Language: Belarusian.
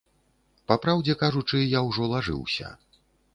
Па праўдзе кажучы, я ўжо лажыўся.